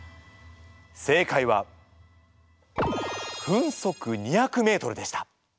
正解は分速２００ｍでした。